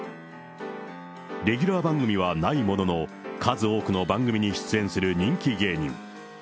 レギュラー番組はないものの、数多くの番組に出演する人気芸人。